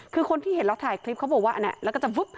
คือคนที่เห็นแล้วถ่ายคลิปเขาบอกว่าแล้วก็จะบึ๊บ